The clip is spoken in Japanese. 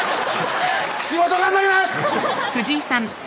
仕事頑張ります！